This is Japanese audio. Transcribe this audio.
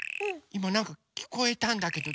いまなんかきこえたんだけど。